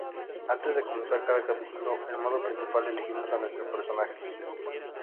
Antes de comenzar cada capítulo del modo principal, elegimos a nuestro personaje.